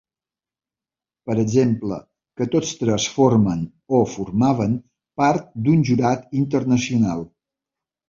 Per exemple que tots tres formen, o formaven, part d'un jurat internacional.